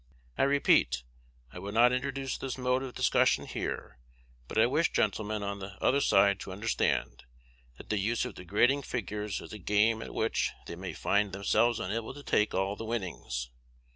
"I repeat, I would not introduce this mode of discussion here; but I wish gentlemen on the other side to understand, that the use of degrading figures is a game at which they may find themselves unable to take all the winnings.